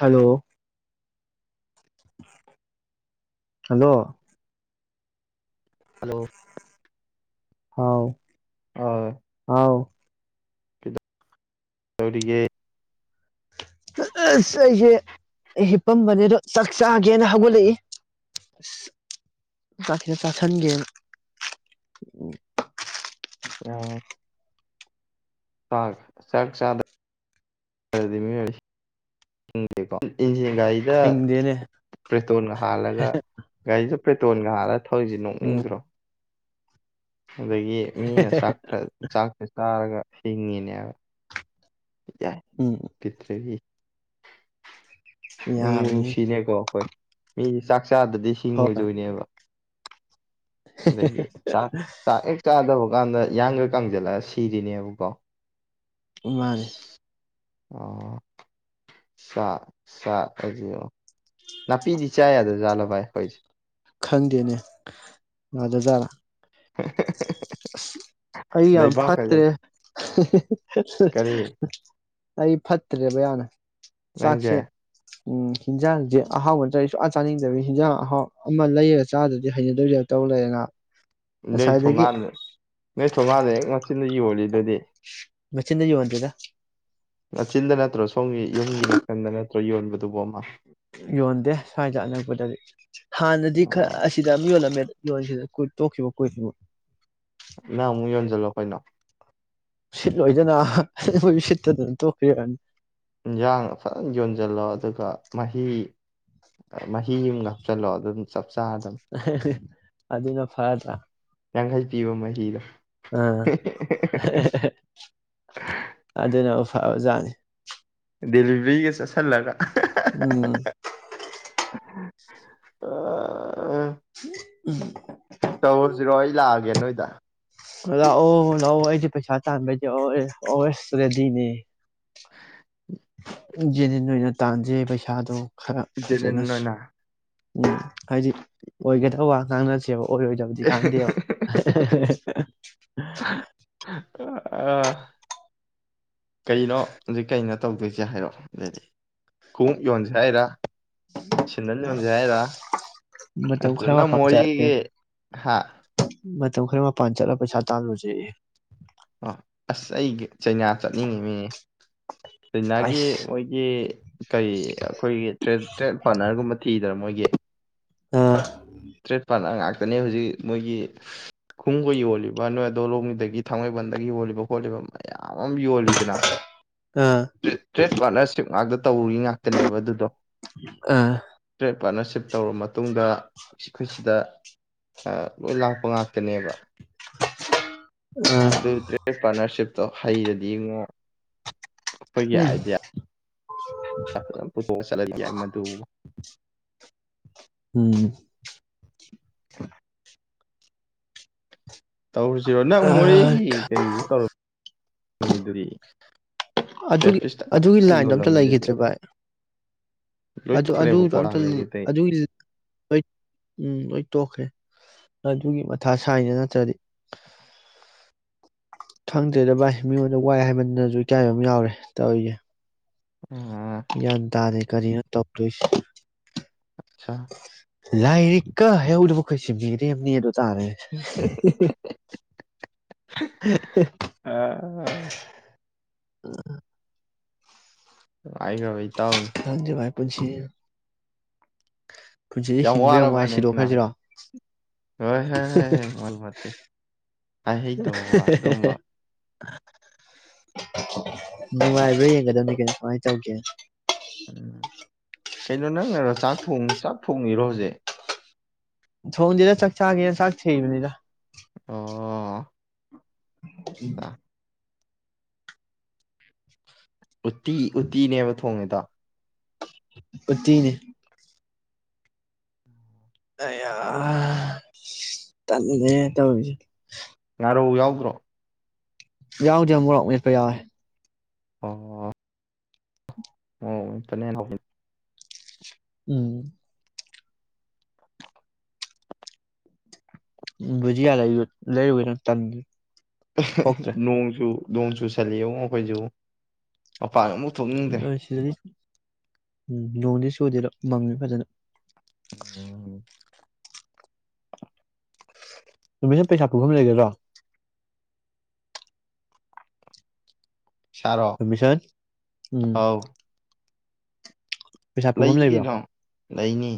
hello [inaudible] hello hello ꯍꯥꯎ ꯑ ꯍꯥꯎ ꯇꯧꯔꯤꯒꯦ ꯑ ꯑꯁ ꯑꯩꯁꯦ ꯍꯤꯞꯄꯝꯕꯅꯦ ꯑꯗꯣ ꯆꯥꯛ ꯆꯥꯒꯦꯅ ꯍꯧꯒꯠꯂꯛꯏ ꯑꯁ ꯆꯥꯛ ꯈꯤꯇ ꯆꯥꯁꯟꯒꯦꯅ ꯎ ꯎꯪ [unintelligible] ꯏꯟꯖꯤꯟ ꯒꯥꯔꯤꯗ ꯍꯤꯡꯗꯦꯅꯦ ꯄ꯭ꯔꯦꯇꯣꯟꯒ ꯍꯥꯜꯂꯒ ꯒꯥꯔꯤ ꯄ꯭ꯔꯦꯇꯣꯟꯒ ꯍꯥꯜꯂ ꯈꯣꯏꯁꯦ ꯎꯝ ꯅꯣꯛꯅꯤꯡꯗ꯭ꯔꯣ ꯑꯗꯒꯤ ꯃꯤꯅ ꯆꯥꯛ ꯈ ꯆꯥꯛꯁꯦ ꯆꯥꯔꯒ ꯍꯤꯡꯉꯤꯅꯦꯕ [unintelligible] ꯎꯝ ꯄꯤꯗ꯭ꯔꯤ ꯅꯨꯡꯕꯨ ꯌꯥꯕꯅꯤ ꯅꯨꯡꯁꯤꯅꯦ ꯀꯣ ꯈꯣꯏ ꯃꯤꯗꯤ ꯆꯥꯛ ꯆꯥꯗꯗꯤ ꯍꯣꯏ ꯍꯤꯡꯉꯣꯏꯗꯣꯏꯅꯦꯕ ꯑꯗꯒꯤ ꯆꯥꯛ ꯆꯥꯛ ꯍꯦꯛ ꯆꯥꯗꯕ ꯀꯥꯟꯗ ꯏꯌꯥꯡꯒ ꯀꯪꯖꯜꯂꯛꯑ ꯁꯤꯔꯤꯅꯦꯕꯀꯣ ꯎ ꯃꯥꯅꯦ ꯑꯣ ꯆꯥꯛ ꯆꯥꯛ ꯑꯗꯨꯑꯣ ꯅꯥꯄꯤꯗꯤ ꯆꯥ ꯌꯥꯗꯖꯥꯠꯂ ꯚꯥꯏ ꯑꯩꯈꯣꯏꯁꯦ ꯈꯪꯗꯦꯅꯦ ꯉꯥꯗꯖꯥꯠꯂ [inaudible] ꯑꯁ ꯑꯩ ꯌꯥꯝ ꯂꯩꯕꯥꯛ ꯐꯠꯇ꯭ꯔꯦ ꯍꯥꯏꯁꯦ [inaudible] ꯀꯔꯤ [inaudible] ꯑꯩ ꯐꯠꯇ꯭ꯔꯦꯕ ꯌꯥꯝꯅ ꯅꯪꯖꯦ ꯏꯟꯖꯥꯡꯖꯦ ꯑꯍꯥꯎꯕ ꯅꯠꯇ꯭ꯔꯥ ꯁꯨꯆꯥ ꯆꯥꯅꯤꯡꯗꯕꯩ ꯍꯤꯟꯖꯥꯡ ꯑꯍꯥꯎ ꯑꯃ ꯂꯩꯔꯒ ꯆꯥꯗ꯭ꯔꯗꯤ ꯍꯩꯅꯗꯕꯩ ꯇꯥꯏꯞ ꯇꯧ ꯂꯩꯔꯦ ꯅ ꯅꯣꯏ ꯊꯣꯡꯒꯟꯗ ꯅꯣꯏ ꯊꯣꯡꯒꯥꯟ ꯂꯩꯉꯣ ꯆꯤꯟꯅ ꯌꯣꯜꯂꯤꯗꯨꯗꯤ ꯃꯆꯤꯟ ꯌꯣꯟꯗꯦꯗ ꯃꯆꯤꯟꯗ ꯅꯠꯇ꯭ꯔꯣ ꯁꯣꯝꯒꯤ ꯌꯨꯝꯒꯤ ꯅꯥꯀꯟꯗ ꯅꯠꯇ꯭ꯔꯣ ꯌꯣꯟꯕꯗ ꯌꯣꯟꯗꯦ ꯁ꯭ꯋꯥꯏꯗ ꯑꯅꯛꯄꯗꯗꯤ ꯍꯥꯟꯅꯗꯤ ꯈꯔ ꯑꯥ ꯑꯁꯤꯗ ꯑꯃ ꯌꯣꯜꯂꯝꯃꯦ ꯅꯣꯏꯁꯤꯗꯤ ꯀꯨꯠ ꯇꯣꯛꯈꯤꯕ ꯀꯨꯠ ꯃꯨꯛ ꯅꯪ ꯑꯃꯨꯛ ꯌꯣꯟꯁꯤꯜꯂꯣ ꯀꯩꯅꯣ ꯁꯤꯠꯂꯣꯏ ꯑꯗꯨꯅ ꯍꯥ ꯑꯩꯈꯣꯏꯁꯨ ꯁꯤꯠꯇꯗꯅ ꯇꯣꯛꯈꯤꯕꯅꯤ ꯏꯟꯁꯥꯡ ꯐꯖꯅ ꯌꯣꯟꯁꯤꯜꯂꯣ ꯑꯗꯨꯒ ꯃꯍꯤ ꯃꯍꯤ ꯑꯃ ꯍꯥꯞꯆꯜꯂꯣ ꯑꯗꯨꯝ ꯆꯞ ꯆꯥꯔꯗꯝ ꯑꯥꯍꯦ ꯍꯦ ꯍꯦ ꯑꯗꯨꯅ ꯐꯔꯇꯗ꯭ꯔꯥ ꯌꯥꯡꯈꯩ ꯄꯤꯕ ꯃꯍꯤꯗꯣ ꯑꯥ ꯑꯗꯨꯅ ꯐꯕꯖꯥꯠꯅꯤ ꯗꯤꯂꯤꯕ꯭ꯔꯤꯒ ꯆꯠꯁꯦ ꯎꯝ ꯈꯟꯂꯒ ꯑꯍꯥ ꯑꯍꯥ ꯑꯍꯥ ꯑꯥ ꯎꯝ ꯌꯦꯟ ꯅꯣꯏꯗ ꯂꯥꯛꯑꯣ ꯂꯥꯛꯑꯣ ꯑꯩꯗꯤ ꯄꯩꯁꯥ ꯇꯥꯟꯕꯒꯤꯗꯤ ꯑꯜꯋꯦꯁ ꯑꯜꯋꯦꯁ ꯔꯦꯗꯤꯅꯦ ꯖꯦꯟꯅꯤꯟ ꯑꯣꯏꯅ ꯇꯥꯟꯖꯦ ꯄꯩꯁꯥꯗꯣ ꯈꯔ ꯖꯦꯅꯤꯟ ꯐꯖꯅ ꯑꯣꯏꯅ ꯎꯝ ꯍꯥꯏꯗꯤ ꯑꯣꯏꯒꯗꯧꯕ ꯉꯥꯡꯅꯁꯦꯕ ꯑꯣꯏꯔꯣꯏꯗꯕꯗꯤ ꯀꯥꯟꯅꯗꯦ ꯍꯍꯍ [unintelligible] ꯑꯥ ꯀꯩꯅꯣ ꯍꯧꯖꯤꯛ ꯀꯩꯅꯣ ꯇꯧꯗꯣꯏꯁꯦ ꯍꯥꯏꯔꯛꯑꯣ ꯑꯗꯨꯗꯤ ꯈꯣꯡꯎꯞ ꯌꯣꯟꯁꯦ ꯍꯥꯏꯔ ꯁꯦꯗꯟ ꯌꯣꯟꯁꯦ ꯍꯥꯏꯔ ꯃꯇꯝ ꯑꯗꯨ ꯈꯔ ꯅꯪ ꯃꯄꯥꯟ ꯆꯠꯂꯦ ꯃꯣꯔꯦꯒꯤ ꯍꯥ ꯃꯇꯝ ꯈꯔ ꯃꯄꯥꯟ ꯆꯠꯂꯒ ꯄꯩꯁꯥ ꯇꯥꯜꯂꯨꯖꯦꯌꯦ ꯑꯣ ꯑꯁ ꯑꯩꯒꯤ ꯆꯩꯅꯥ ꯆꯠꯅꯤꯡꯉꯤ ꯅꯤꯅꯦ ꯆꯩꯅꯥꯒꯤ ꯑꯩꯁ ꯃꯣꯏꯒꯤ ꯀꯔꯤ ꯑꯩꯈꯣꯏꯒꯤ ꯇ꯭ꯔꯦꯠ ꯄꯥꯔꯠꯅꯔꯒꯨꯝꯕ ꯊꯤꯗ꯭ꯔꯥ ꯃꯣꯏꯒꯤ ꯌꯦ ꯑꯥ ꯇ꯭ꯔꯦꯠꯄꯥꯥꯟ ꯉꯥꯛꯇꯅꯦ ꯍꯧꯖꯤꯛ ꯃꯣꯏꯒꯤ ꯈꯣꯡꯎꯞꯀ ꯌꯣꯜꯂꯤꯕ ꯅꯣꯏꯗꯣꯂꯣꯝꯗꯒꯤ ꯊꯥꯡꯃꯩꯕꯟꯗꯒꯤ ꯌꯣꯜꯂꯤꯕ ꯈꯣꯠꯂꯤꯕ ꯃꯌꯥꯝ ꯌꯣꯜꯂꯤꯗꯅ ꯑꯥ ꯇ꯭ꯔꯦꯠ ꯄꯥꯔꯠꯅꯔꯁꯤꯞ ꯉꯥꯛꯇ ꯇꯧꯔꯤ ꯉꯥꯛꯇꯅꯦꯕ ꯑꯗꯨꯗꯣ ꯑꯥ ꯇ꯭ꯔꯦꯠ ꯄꯥꯔꯠꯅꯔꯁꯤꯞ ꯇꯧꯔꯕ ꯃꯇꯨꯡꯗ ꯑꯩꯈꯣꯏꯁꯤꯗ ꯂꯣꯏ ꯂꯥꯛꯄ ꯉꯥꯛꯇꯅꯦꯕ ꯑꯗꯨ ꯇ꯭ꯔꯦꯠꯗ ꯄꯥꯔꯅꯔꯁꯤꯞ ꯍꯩꯔꯗꯤ ꯉꯣ ꯑꯩꯈꯣꯏꯒꯤ ꯎꯝ ꯑꯥꯏꯗꯤꯌꯥ [unintelligible] ꯎꯝ ꯇꯧꯔꯨꯁꯤꯔꯣ ꯅꯪ ꯃꯣꯔꯦꯒꯤ ꯀꯩꯁꯨ ꯇꯧꯔ [unintelligible] ꯑꯗꯨꯒꯤ ꯑꯗꯨꯒꯤ ꯂꯥꯏꯟꯗꯣ ꯑꯝꯇ ꯌꯣꯜꯂꯝꯃꯤꯗꯨꯗꯤ ꯂꯩꯒꯤꯗ꯭ꯔꯦ ꯚꯥꯏ ꯂꯣꯏ ꯑꯗꯨ ꯑꯗꯨꯗꯣ ꯇꯣꯛꯈ꯭ꯔꯦꯕꯀꯣ ꯑꯝꯇ ꯅꯍꯥꯟ ꯂ ꯂꯩꯒꯤꯕꯗꯩ ꯑꯗꯨꯒꯤ ꯂ ꯂꯣꯏ ꯎꯝ ꯂꯣꯏ ꯇꯣꯛꯈ꯭ꯔꯦ ꯑꯗꯨꯒꯤ ꯃꯊꯥ ꯁꯥꯏꯅꯦ ꯅꯠꯇ꯭ꯔꯗꯤ ꯈꯪꯗꯦꯗ ꯚꯥꯏ ꯃꯤꯉꯣꯟꯗ ꯋꯥꯏ ꯍꯥꯏꯃꯟꯗꯅꯁꯨ ꯏꯀꯥꯏꯕ ꯑꯝ ꯌꯥꯎꯔꯦ ꯇꯧꯔꯤꯖꯦ ꯑ ꯒ꯭ꯌꯥꯟ ꯇꯥꯗꯦ ꯀꯔꯤꯅꯣ ꯇꯧ ꯆꯣꯏꯁ ꯑꯆꯥ ꯂꯥꯏꯔꯤꯛꯀ ꯍꯩꯍꯧꯗꯕ ꯑꯩꯈꯣꯏꯁꯦ ꯃꯤꯔꯦꯝꯅꯤ ꯗꯣ ꯇꯥꯔꯦ [inaudible] ꯑꯥ ꯑꯥ [unintelligible] ꯅꯨꯉꯥꯏꯒ꯭ꯔꯕ ꯏꯇꯥꯎꯅꯤ ꯄꯨꯟꯁꯤꯅ ꯄꯨꯟꯁꯤꯁꯦ ꯍꯤꯡꯕ ꯌꯥꯝ ꯋꯥꯏ ꯋꯥꯔꯕꯅꯦ ꯁꯤꯗꯣꯛ ꯅꯪ ꯈꯔꯁꯤꯔꯣ ꯍꯣꯏ ꯍꯥꯏꯍꯩꯇꯕ ꯋꯥ ꯑꯗꯨꯒꯨꯝꯕ ꯅꯨꯡꯉꯥꯏꯕ꯭ꯔꯥ ꯌꯦꯡꯒꯗꯝꯅꯦ ꯀꯩꯅꯣ ꯀꯃꯥꯏ ꯇꯧꯒꯦꯅ ꯎꯝ ꯀꯩꯅꯣ ꯅꯪꯅꯔꯣ ꯆꯥꯛ ꯊꯣꯡ ꯆꯥꯛ ꯊꯣꯡꯉꯤꯔꯣ ꯍꯧꯖꯤꯛ ꯊꯣꯡꯗꯦꯗ ꯆꯥꯛ ꯆꯥꯒꯦꯅ ꯆꯥꯛ ꯊꯤꯔꯤꯅꯤꯗ ꯑꯣ ꯎꯝ ꯎꯇꯤ ꯎꯠꯇꯤꯅꯦꯕ ꯊꯣꯡꯉꯤꯗꯣ ꯎꯠꯇꯤꯅꯦ ꯑꯩꯌ꯭ꯥꯍ ꯇꯟꯂꯦꯍꯦ ꯇꯧꯔꯤꯖꯦ ꯉꯥꯔꯧ ꯌꯥꯎꯗ꯭ꯔꯣ ꯌꯥꯎꯗꯦ ꯑꯃꯨꯔꯣꯛ ꯃꯦꯠꯄ ꯌꯥꯎꯋꯦ ꯑꯣ [unintelligible] ꯎꯝ ꯕꯨꯖꯤꯌꯥ ꯂꯩꯔꯨ ꯂꯩꯔꯨꯒꯦ ꯇꯧ ꯇꯟ ꯅꯣꯡꯁꯨ ꯅꯣꯡ ꯆꯨꯁꯜꯂꯛꯑꯦꯉꯣ ꯑꯩꯈꯣꯏꯁꯨ ꯃꯄꯥꯟ ꯑꯃꯨꯛ ꯊꯣꯛꯅꯤꯡꯗ꯭ꯔꯦ [inaudible] ꯎꯝ ꯅꯣꯡꯗꯤ ꯆꯨꯗꯦꯗꯣ ꯃꯪꯉ ꯐꯖꯅ ꯎꯝ ꯅꯨꯃꯤꯠꯁꯦ ꯄꯩꯁꯥ ꯄꯨꯕꯝ ꯂꯩꯒꯗ꯭ꯔꯣ ꯁꯥꯔꯣ ꯄꯔꯃꯤꯁꯟ ꯎꯝ ꯑꯧ ꯄꯩꯁꯥ ꯄꯨꯨꯕꯝ ꯂꯩꯅꯤ ꯂꯩꯕ꯭ꯔꯣ ꯀꯩꯅꯣ ꯂꯩꯅꯤ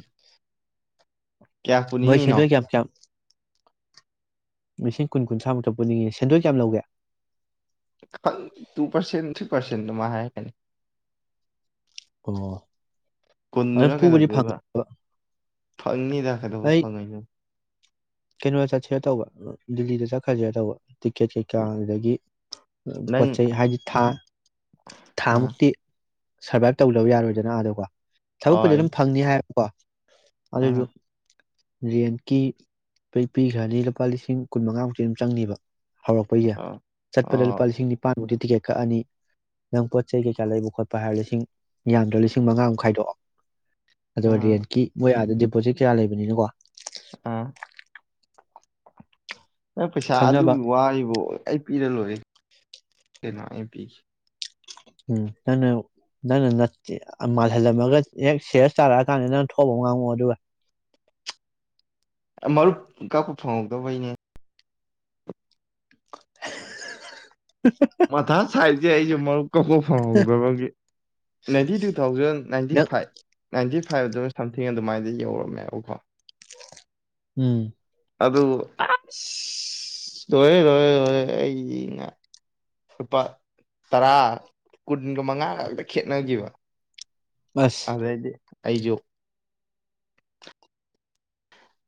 ꯀꯌꯥ ꯃꯣꯏ ꯄꯨꯅꯤꯡꯉꯤꯅꯣ ꯁꯦꯟꯗꯣꯏ ꯀꯌꯥ ꯀꯌꯥꯝ ꯂꯤꯁꯤꯡ ꯀꯨꯟ ꯀꯨꯟꯊ꯭ꯔꯥꯃꯨꯛꯇ ꯄꯨꯅꯤꯡꯉꯤ ꯁꯦꯟꯗꯣꯏ ꯀ꯭ꯌꯥꯝ ꯂꯧꯒꯦ ꯇꯨ ꯄꯔꯁꯦꯟ ꯊ꯭ꯔꯤ ꯄꯔꯁꯦꯟꯗꯨꯃꯥꯏ ꯍꯥꯏꯔꯀꯅꯤ ꯑꯣ ꯑꯗꯨꯝ ꯄꯨꯕꯗꯤ ꯐꯪꯉꯕ ꯐꯪꯉꯤ ꯐꯪꯉꯅꯤꯗ ꯀꯩꯗꯧꯕꯩ ꯐꯡꯉꯣꯏꯗꯣꯏꯅꯣ ꯀꯦꯅꯣ ꯆꯠꯁꯤꯔꯥ ꯇꯧꯕ ꯗꯤꯜꯂꯤꯗ ꯆꯠꯈ꯭ꯔꯁꯤꯔꯥ ꯇꯧꯕ ꯇꯤꯛꯀꯦꯠ ꯀꯩꯀꯥ ꯑꯗꯒꯤ ꯄꯣꯠ ꯅꯪ ꯆꯩ ꯍꯥꯏꯗꯤ ꯊꯥ ꯑꯥ ꯊꯥꯃꯨꯛꯇꯤ ꯁꯔꯚꯥꯏꯚ ꯇꯧꯗꯕ ꯌꯥꯔꯣꯏꯗꯅ ꯑꯗ ꯀꯣ ꯊꯕꯛ ꯄꯨꯗꯤ ꯍꯣꯏ ꯑꯗꯨꯝ ꯐꯪꯅꯤ ꯍꯥꯏ ꯕ ꯑꯗꯨꯁꯨ ꯑꯥ ꯔꯦꯟꯀꯤ ꯇꯩ ꯄꯤꯈ꯭ꯔꯅꯤ ꯂꯨꯄꯥ ꯂꯤꯁꯤꯡ ꯀꯨꯟꯃꯉꯥꯃꯨꯛꯇꯤ ꯑꯗꯨꯝ ꯆꯪꯅꯤꯕ ꯍꯧꯔꯛꯄꯩꯖꯦ ꯑꯥ ꯆꯠꯄꯗ ꯑꯣ ꯂꯨꯄꯥ ꯂꯤꯁꯤꯡ ꯅꯤꯄꯥꯥꯟ ꯗꯤ ꯇꯤꯛꯀꯦꯠ ꯀꯛꯑꯅꯤ ꯅꯪ ꯄꯣꯠ ꯆꯩ ꯀꯩꯀꯥ ꯂꯩꯕ ꯈꯣꯠꯄ ꯍꯥꯏꯔ ꯂꯤꯁꯤꯡ ꯌꯥꯝꯗ꯭ꯔꯕꯗ ꯂꯤꯁꯤꯡ ꯃꯉꯥꯃꯨꯛ ꯈꯥꯏꯗꯣꯛꯑꯣ ꯑꯗꯨꯒ ꯑꯥ ꯔꯦꯟꯀꯤ ꯃꯣꯏ ꯑꯗꯗꯤ ꯄꯣꯠꯆꯩ ꯀꯌꯥ ꯂꯩꯕꯅꯤꯅꯀꯣ ꯑꯥ ꯅꯪ ꯄꯩꯁꯥ ꯈꯪꯅꯕ ꯑꯗꯨꯒꯤ ꯋꯥꯔꯤꯕꯨ ꯑꯩ ꯄꯤꯔꯥ ꯂꯣꯏꯔꯦ ꯀꯩꯅꯣ ꯑꯩ ꯄꯤꯈꯤ ꯎꯝ ꯅꯪꯅ ꯅꯪꯅ ꯅꯠꯆꯦ ꯃꯥꯜꯍꯜꯂꯝꯃꯒ ꯍꯦꯛ ꯁꯦꯔꯤꯌꯁ ꯇꯥꯔꯛꯑꯀꯥꯟꯗ ꯅꯪ ꯊꯣꯛꯄ ꯑꯃꯥ ꯉꯥꯡꯉꯣ ꯑꯗꯨꯒ ꯑ ꯃꯔꯨꯞ ꯀꯛꯄ ꯐꯪꯍꯧꯗꯕꯩꯅꯦ [inaudible] ꯃꯊꯥ ꯁꯥꯏꯁꯦ ꯑꯩꯁꯨ ꯃꯔꯨꯞ ꯀꯛꯄ ꯐꯪꯍꯧꯗꯕꯒꯤ ꯅꯥꯏꯟꯇꯤꯇꯨ ꯊꯥꯎꯖꯟ ꯅꯥꯏꯟꯇꯤ ꯅꯪ ꯐꯥꯏꯞ ꯅꯥꯏꯟꯇꯤ ꯐꯥꯏꯚꯗꯣ [unintelligible] ꯁꯝꯊꯤꯡ ꯑꯗꯨꯃꯥꯏꯅ ꯌꯧꯔꯝꯃꯦꯕꯀꯣ ꯎꯝ ꯑꯗꯨ ꯑꯁ ꯂꯣꯏꯔꯦ ꯂꯣꯏꯔꯦ ꯂꯣꯏꯔꯦ ꯑꯩꯗꯤ ꯉ ꯂꯨꯄꯥ ꯇꯔꯥ ꯀꯨꯟꯒꯃꯉꯥ ꯈꯛꯇ ꯈꯦꯠꯅꯈꯤꯕ ꯑꯁ ꯑꯗꯨꯗꯩꯗꯤ ꯑꯩꯖꯨ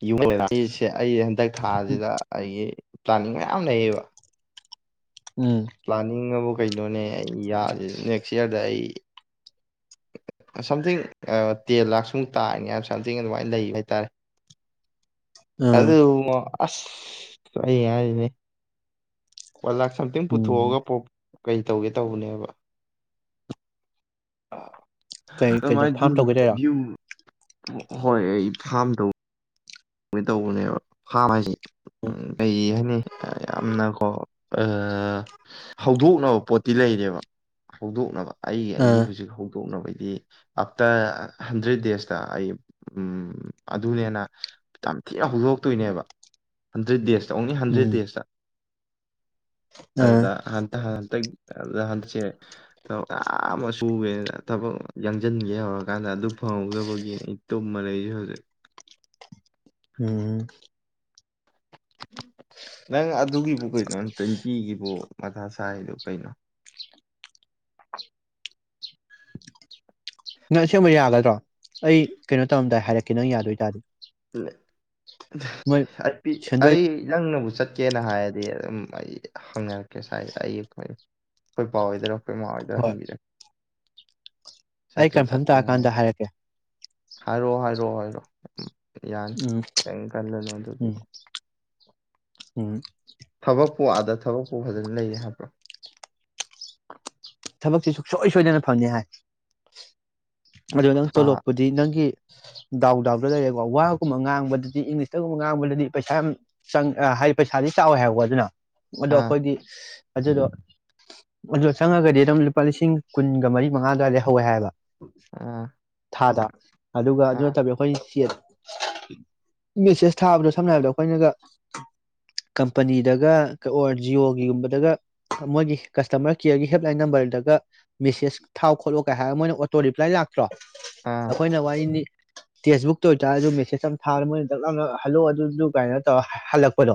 [unintelligible] ꯑꯩ ꯍꯟꯗꯛ ꯎꯝ ꯊꯥꯁꯤꯗ ꯑꯩꯒꯤ ꯄ꯭ꯂꯥꯅꯤꯡ ꯃꯌꯥꯝ ꯂꯩꯌꯦꯕ ꯎꯝ ꯄ꯭ꯂꯥꯟꯅꯤꯡꯑꯕꯨ ꯀꯩꯅꯣꯅꯦ ꯑꯩ ꯌꯥꯔ ꯅꯦꯛꯁ ꯏꯌꯥꯔꯗ ꯑꯩ ꯁꯝꯊꯤꯡ ꯇꯦꯟ ꯂꯥꯛ ꯁꯨꯛ ꯇꯥꯔꯅꯤ ꯍꯥꯏꯕ ꯁꯝꯊꯤꯡ ꯑꯗꯨꯃꯥꯏꯅ ꯂꯩ ꯍꯥꯏꯇꯥꯔꯦ ꯑꯥ ꯑꯗꯨꯃꯨꯉꯣ ꯑꯁ ꯀꯔꯤ ꯍꯥꯔꯨꯅꯤ ꯋꯥꯟ ꯂꯥꯛ ꯁꯝꯊꯤꯡ ꯎꯝ ꯄꯨꯊꯣꯛꯑꯒ ꯄꯣ ꯀꯩ ꯇꯧꯒꯦ ꯇꯧꯕꯅꯦꯕ ꯑꯥ ꯀꯩ ꯀꯩꯅꯣ ꯑꯗꯨꯃꯥꯥꯏ ꯐꯥꯝ ꯇꯧꯒꯦ ꯇꯧꯔꯣ ꯑꯥ ꯌꯨꯨ ꯍꯣꯏ ꯑꯩ ꯐꯥꯔꯝ ꯇꯧ ꯀꯣꯏꯅ ꯇꯧꯕꯅꯦꯕ ꯐꯥꯝ ꯍꯥꯏꯁꯦ ꯎ ꯀꯩ ꯍꯥꯏꯅꯤ ꯌꯥꯝꯅꯀꯣ ꯑꯥ ꯍꯧꯗꯣꯛꯅꯕ ꯄꯣꯠꯇꯤ ꯂꯩꯔꯦꯕ ꯍꯧꯗꯣꯛꯅꯕ ꯑꯩ ꯑꯩꯒꯤ ꯍꯧꯖꯤꯛ ꯍꯧꯗꯣꯛꯅꯕ ꯍꯥꯏꯗꯤ ꯑꯥꯞꯇꯔ ꯍꯟꯗ꯭ꯔꯦꯠ ꯗꯦꯖꯇ ꯑꯩ ꯎꯝ ꯑꯗꯨꯅꯦꯅ ꯌꯥꯝ ꯊꯤꯅ ꯍꯧꯗꯣꯔꯛꯇꯣꯏꯅꯦꯕ ꯍꯟꯗ꯭ꯔꯦꯠ ꯗꯦꯖ ꯑꯣꯡꯂꯤ ꯎꯝ ꯍꯟꯗ꯭ꯔꯦꯗ ꯗꯦꯖꯇ ꯑꯥ ꯑꯗꯨꯗ ꯍꯟꯇ ꯍꯟꯇꯛ ꯑꯗꯨꯗ ꯍꯟꯗꯛꯁꯦ ꯊꯕꯛ ꯃꯌꯥꯝ ꯑꯃ ꯁꯨꯒꯦꯅ ꯊꯕꯛ ꯌꯥꯡꯁꯤꯟꯒꯦ ꯍꯧꯔꯀꯥꯟꯗ ꯑꯗꯨ ꯐꯪꯍꯧꯗꯕꯒꯤꯅꯤ ꯑꯩ ꯇꯨꯝꯃ ꯂꯩꯁꯦ ꯍꯧꯖꯤꯛ ꯎꯝ ꯅꯪ ꯑꯗꯨꯒꯤꯕꯨ ꯀꯩꯅꯣ ꯅꯨꯄꯤꯒꯤꯕꯨ ꯃꯊꯥ ꯁꯥꯏꯗꯨ ꯀꯩꯅꯣ ꯅꯪ ꯑꯁꯦꯡꯕ ꯌꯥꯒꯗ꯭ꯔꯣ ꯑꯩ ꯀꯩꯅꯣ ꯇꯧꯔꯝꯗꯥꯏ ꯍꯥꯏꯔꯛꯀꯦ ꯅꯪ ꯌꯥꯗꯣꯏ ꯇꯥꯔꯗꯤ ꯃꯣꯏ ꯁꯦꯟꯗꯣꯏ ꯑꯩ ꯅꯪꯅꯕꯨ ꯆꯠꯀꯦꯅ ꯍꯥꯏꯔꯗꯤ ꯑꯗꯨꯝ ꯑꯩ ꯍꯪꯅꯔꯛꯀꯦ ꯁꯋꯥꯏꯗ ꯑꯩ ꯑꯩꯈꯣꯏ ꯄꯥ ꯍꯣꯏꯗꯔꯥ ꯑꯩꯈꯣꯏ ꯃꯥꯍꯣꯏꯗ ꯍꯣꯏ ꯍꯪꯕꯤꯔꯛ ꯑꯩ ꯀꯟꯐꯥꯔꯝ ꯇꯥꯔꯀꯥꯟꯗ ꯍꯥꯏꯔꯛꯀꯦ ꯍꯥꯏꯔꯑꯣ ꯍꯥꯏꯔꯛꯑꯣ ꯎꯝ ꯌꯥꯅꯤ ꯎꯝ ꯀꯦꯝ ꯈꯜꯂꯅꯣ ꯑꯗꯨꯗꯤ ꯎꯝ ꯎꯝ ꯊꯕꯛꯄꯨ ꯑꯥꯗ ꯊꯕꯛꯄꯨ ꯐꯖꯅ ꯂꯩꯌꯦ ꯍꯥꯏꯕ꯭ꯔꯣ ꯊꯕꯛꯁꯦ ꯁꯨꯡꯁꯣꯏ ꯁꯣꯏꯗꯅ ꯐꯪꯅꯤ ꯍꯥꯏ ꯑꯗꯣ ꯅꯪ ꯊꯥ ꯇꯣꯂꯣꯞꯄꯨꯗꯤ ꯅꯪꯒꯤ ꯗꯥꯎ ꯗꯥꯎꯗ ꯂꯩꯔꯦꯕ ꯋꯥꯒꯨꯝꯕ ꯉꯥꯡꯕꯗꯗꯤ ꯏꯪꯂꯤꯁꯇꯒꯨꯝꯕ ꯉꯥꯡꯕꯗꯗꯤ ꯄꯩꯁꯥ ꯌꯥꯝ ꯆꯪ ꯍꯥꯏꯗꯤ ꯄꯩꯁꯥꯗꯤ ꯆꯥꯎꯋꯦ ꯍꯥꯏꯕꯀꯣ ꯑꯗꯨꯅ ꯑꯗꯣ ꯑꯥ ꯑꯩꯈꯣꯏꯗꯤ ꯑꯗꯨꯗꯣ ꯑꯗꯨ ꯆꯪꯉꯒꯗꯤ ꯗꯨꯝ ꯂꯨꯄꯥ ꯂꯤꯁꯤꯡ ꯀꯨꯟꯒ ꯃꯔꯤ ꯃꯉꯥ ꯑꯗꯨꯋꯥꯏꯗꯩ ꯍꯧꯋꯦ ꯍꯥꯏꯕ ꯑꯥ ꯊꯥꯗ [inaudible] ꯑꯗꯨꯒ ꯑꯗꯨ ꯑꯥ ꯅꯠꯇꯕꯤ ꯑꯩꯈꯣꯏ ꯆꯦ ꯃꯦꯁꯦꯁ ꯊꯥꯕꯗꯣ ꯁꯝꯅ ꯍꯥꯏꯔꯕꯗ ꯑꯩꯈꯣꯏꯅꯒ ꯀꯝꯄꯅꯤꯗꯒ ꯑꯣꯔ ꯖꯤꯌꯣꯒꯤꯒꯨꯝꯕꯗꯒ ꯃꯣꯏꯒꯤ ꯀꯁꯇꯥꯃ꯭ꯔ ꯀꯦꯌꯔꯒꯤ ꯍꯦꯗ ꯂꯥꯏꯟ ꯅꯝꯕꯔꯗꯒ ꯃꯦꯁꯦꯁ ꯊꯥꯎ ꯈꯣꯠꯂꯣ ꯀꯥꯏ ꯍꯥꯏꯔꯒ ꯃꯣꯏꯅ ꯑꯣꯇꯣ ꯔꯤꯄ꯭ꯂꯥꯏ ꯂꯥꯛꯄ ꯀ꯭ꯔꯣ ꯑꯥ ꯑꯩꯈꯣꯏꯅ ꯋꯥꯔꯤꯅꯤ ꯇꯦꯛꯁꯕꯨꯛꯇ ꯑꯣꯏꯇꯥꯔꯦ ꯑꯗꯨ ꯃꯦꯁꯦꯖ ꯑꯃ ꯊꯥꯔ ꯃꯣꯏꯅ ꯗꯛꯂꯥꯎꯅ ꯍꯂꯣ ꯑꯗꯨꯗꯨ ꯀꯥꯏꯅꯣ ꯇꯧꯔ ꯍꯜꯂꯛꯄꯗꯣ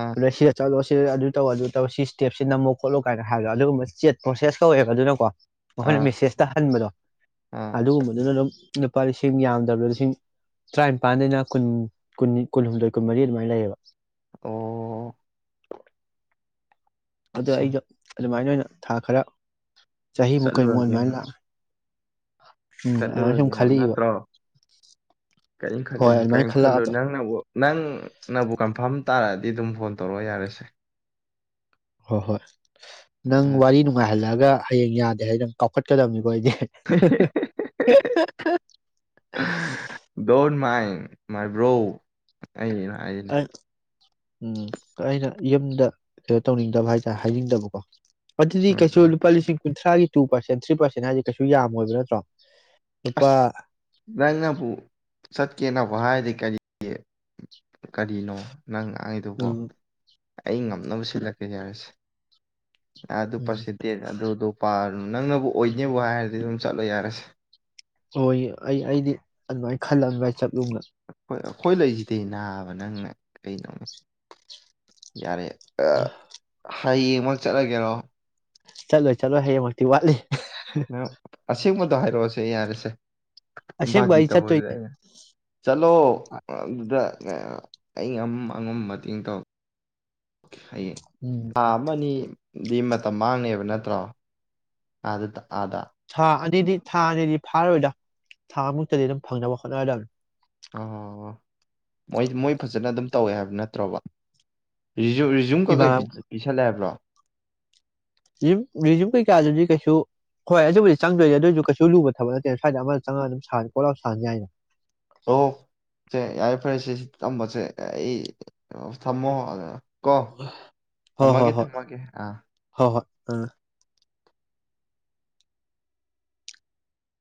ꯑꯥ ꯑꯗ ꯁꯤꯗ ꯆꯂꯣ ꯁꯤ ꯁꯤ ꯑꯗꯨ ꯇꯧ ꯑꯗꯨ ꯇꯧ ꯁꯤ ꯁꯇꯦꯞꯁꯤ ꯅꯝꯃꯣ ꯈꯣꯠꯂꯣꯥꯏꯅ ꯍꯥꯏꯔꯒ ꯑꯗꯨꯒꯨꯝꯕ ꯆꯦ ꯄ꯭ꯔꯣꯁꯦꯁ ꯀꯧꯋꯦꯕ ꯑꯗꯨꯅꯀꯣ ꯃꯈꯣꯏꯅ ꯑꯥ ꯃꯦꯁꯦꯖꯇ ꯍꯟꯕꯗꯣ ꯑꯥ ꯑꯗꯨꯒꯨꯝꯕꯗꯨꯅ ꯑꯗꯨꯝ ꯂꯨꯄꯥ ꯂꯤꯁꯤꯡ ꯌꯥꯝꯗ꯭ꯔꯕꯗ ꯂꯤꯁꯤꯡ ꯇꯔꯥꯅꯤꯄꯥꯟꯗꯩꯅ ꯀꯨꯟ ꯀꯨꯟ ꯀꯨꯟꯍꯨꯝꯗꯣꯏ ꯀꯨꯟꯃꯔꯤ ꯑꯗꯨꯃꯥꯏꯅ ꯂꯩꯌꯦꯕ ꯑꯣ ꯑꯗꯥ ꯑꯠꯁꯥ ꯑꯩꯗꯣ ꯑꯗꯨꯃꯥꯏꯅ ꯑꯣꯏꯅ ꯊꯥ ꯈꯔ ꯆꯍꯤ ꯃꯨꯛ ꯀꯩꯃꯨꯛ ꯆꯠꯂꯨꯔꯒꯦꯕ ꯑꯗꯨꯃꯥꯏꯅ ꯎꯝ ꯑꯗ ꯁꯨꯝ ꯆꯠꯂꯨꯔꯒꯦ ꯍꯥꯏꯕ ꯈꯜꯂꯤꯛꯏꯕ ꯅꯠꯇ꯭ꯔꯣ ꯀꯔꯤꯝ ꯈꯜꯂꯨꯅꯨ ꯀꯔꯤꯝ ꯈꯜꯂꯨꯅꯨ ꯅꯪꯅꯕꯨ ꯅꯪ ꯅꯕꯨ ꯀꯟꯐꯥꯝ ꯇꯥꯔꯑꯗꯤ ꯁꯤꯗ ꯑꯗꯨꯝ ꯐꯣꯟ ꯇꯧꯔꯛꯑꯣ ꯌꯥꯔꯦꯁꯦ ꯍꯣ ꯍꯣꯏ ꯅꯪ ꯎꯝ ꯋꯥꯔꯤ ꯅꯨꯡꯉꯥꯏꯍꯜꯂꯛ ꯗꯨꯒ ꯍꯌꯦꯡ ꯌꯥꯗꯦ ꯍꯥꯏ ꯅꯪ ꯀꯥꯎꯈꯠꯀꯗꯕꯅꯤꯕꯣ ꯑꯩꯗꯤ ꯍꯥ ꯍꯥ ꯍꯥ ꯍꯦ ꯍ [unintelligible] ꯗꯣꯟ ꯃꯥꯏꯟ ꯃꯥꯏꯕ꯭ꯔꯣ ꯑꯅ ꯍꯥꯏꯅꯦ ꯑꯩ [unintelligible] ꯎꯝ ꯑꯩꯅ ꯌꯨꯝꯗ ꯀꯩꯅꯣ ꯇꯧꯅꯤꯡꯗꯕ ꯍꯥꯏꯇꯥꯔꯦ ꯍꯥꯏꯅꯤꯡꯗꯕꯀꯣ ꯑꯗꯨꯗꯤ ꯀꯩꯁꯨ ꯎꯝ ꯂꯨꯄꯥ ꯂꯤꯁꯤꯡ ꯀꯨꯟꯊ꯭ꯔꯥꯒꯤ ꯇꯨ ꯄꯥꯔꯁꯦꯟ ꯊ꯭ꯔꯤ ꯄꯥꯔꯁꯦꯟ ꯍꯥꯏꯁꯦ ꯀꯩꯁꯨ ꯌꯥꯝꯃꯣꯏꯕ ꯅꯠꯇ꯭ꯔꯣ ꯂꯨꯄꯥ ꯑꯁ ꯅꯪꯅꯕꯨ ꯆꯠ ꯀꯦꯅꯕꯨ ꯍꯥꯏꯔꯗꯤ ꯀꯔꯤꯒꯤ ꯀꯔꯤꯅꯣ ꯅꯪ ꯉꯥꯡꯉꯤꯗꯨꯕꯣ ꯎꯝ ꯑꯩ ꯉꯝꯅꯕ ꯁꯤꯜꯂꯛꯀꯦ ꯌꯥꯔꯦꯁꯦ ꯑꯗꯨ ꯎꯝ ꯄꯔꯁꯦꯟ ꯇꯦꯁ ꯑꯗꯨ ꯑꯗꯨꯄꯥ ꯅꯪꯅꯕꯨ ꯑꯣꯏꯅꯦꯕꯨ ꯍꯥꯏꯔꯗꯤ ꯑꯗꯨꯝ ꯆꯠꯂꯣ ꯌꯥꯔꯁꯦ ꯍꯣꯏ ꯑꯩ ꯑꯩꯗꯤ ꯑꯗꯨꯃꯥꯏꯅ ꯈꯜꯂ ꯑꯗꯨꯃꯥꯏ ꯆꯠ [unintelligible] ꯍꯣꯏ ꯑꯩꯈꯣꯏ ꯂꯩꯖꯤꯗꯤ ꯅꯥꯕ ꯅꯪꯅ ꯀꯩꯅꯣꯅꯦ ꯌꯥꯔꯦ [inaudible] ꯍꯌꯦꯡꯃꯛ ꯆꯠꯂꯒꯦꯔꯣ ꯆꯠꯂꯣꯏ ꯆꯠꯂꯣꯏ ꯍꯌꯦꯡꯃꯛꯇꯤ ꯋꯥꯠꯂꯤ ꯑꯁꯦꯡꯕ ꯗꯣ ꯍꯥꯏꯔꯛꯑꯣꯁꯦ ꯌꯥꯔꯦꯁꯦ ꯑꯁꯦꯡꯕ ꯐꯒꯤ ꯑꯩ ꯇꯧꯕꯅꯤꯗ ꯆꯠꯇꯣꯏꯅꯦ ꯑꯩꯅ ꯆꯠꯂꯣ ꯑꯗꯨꯗ ꯀꯩꯌꯥ ꯑꯩꯉꯝ ꯑꯉꯝ ꯃꯇꯦꯡ ꯇꯧ ꯍꯌꯦꯡ ꯎꯝ ꯊꯥ ꯑꯃꯅꯤ ꯗꯤ ꯃꯇꯝ ꯃꯥꯡꯅꯦꯕ ꯅꯠꯇ꯭ꯔꯣ ꯑꯥꯗ ꯑꯥꯗ ꯊꯥ ꯑꯅꯤꯗꯤ ꯊꯥ ꯑꯅꯤꯗꯤ ꯐꯥꯔꯣꯏꯗ ꯊꯥ ꯃꯨꯛꯇꯗꯤ ꯑꯗꯨꯝ ꯐꯪꯅꯕ ꯍꯣꯠꯅꯔꯗꯝꯅꯤ ꯑ ꯍꯣꯏ ꯍꯣꯏ ꯃꯣꯏ ꯃꯣꯏ ꯐꯖꯅ ꯑꯗꯨꯝ ꯇꯧꯋꯦ ꯍꯥꯏꯕ ꯅꯠꯇ꯭ꯔꯣꯕ ꯔꯤꯖꯨ ꯔꯤꯖꯨꯝ ꯀꯩꯀꯩ ꯏꯃꯥꯟꯅꯕ ꯄꯤꯁꯜꯂꯦ ꯍꯥꯏꯕ꯭ꯔꯣ ꯔꯤꯖꯨꯝ ꯔꯤꯖꯨꯝ ꯀꯩꯀꯥꯗꯨꯗꯤ ꯀꯩꯁꯨ ꯍꯣꯏ ꯑꯗꯨꯕꯨꯗꯤ ꯆꯪꯗꯣꯏꯅꯤ ꯑꯗꯨꯑꯣꯏꯁꯨ ꯀꯩꯁꯨ ꯂꯨꯕ ꯊꯕꯛ ꯅꯠꯇꯦꯅ ꯁ꯭ꯋꯥꯏꯗ ꯑꯃ ꯆꯪꯉꯒ ꯑꯗꯨꯝ ꯀꯣꯛ ꯂꯥꯎ ꯁꯍꯟ ꯌꯥꯏꯅ ꯑꯣ ꯁꯦ ꯌꯥꯔ ꯐꯔꯦ ꯁꯦ ꯊꯝꯃꯣꯁꯦ ꯑꯩ ꯊꯝꯃꯣ ꯑ ꯀꯣ ꯍꯣꯏ ꯍꯣꯏ ꯊꯝꯃꯒꯦ ꯍꯣꯏ ꯊꯝꯃꯒꯦ ꯑꯥ ꯍꯣꯏ ꯍꯣꯏ ꯑꯥ